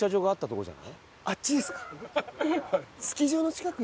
あっちですか？